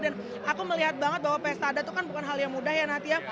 dan aku melihat banget bahwa pesta adat itu kan bukan hal yang mudah ya natya